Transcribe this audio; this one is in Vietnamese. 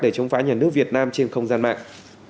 để chống phá nhà nước việt nam trên không gian mạng